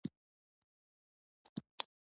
نه، نه کېږي